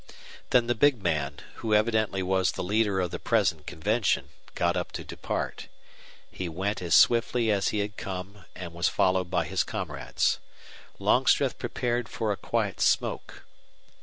Then the big man, who evidently was the leader of the present convention, got up to depart. He went as swiftly as he had come, and was followed by his comrades. Longstreth prepared for a quiet smoke.